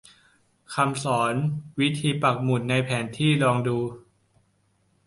คลิปสอนวิธีปักหมุดในแผนที่ลองดู